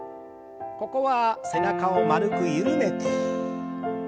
ここは背中を丸く緩めて。